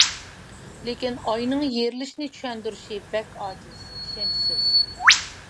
لېكىن ئاينىڭ يېرىلىشىنى چۈشەندۈرۈشى بەك ئاجىز، ئىشەنچىسىز.